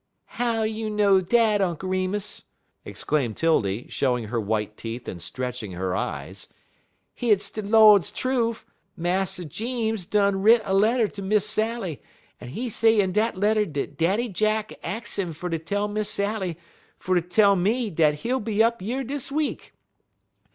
"How you know dat, Unk Remus?" exclaimed 'Tildy, showing her white teeth and stretching her eyes. "Hit's de Lord's trufe; Mass Jeems done writ a letter ter Miss Sally, en' he say in dat letter dat Daddy Jack ax 'im fer ter tell Miss Sally ter tell me dat he'll be up yer dis week.